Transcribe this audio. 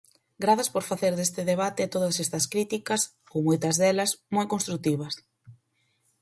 Grazas por facer deste debate e todas estas críticas, ou moitas delas, moi construtivas.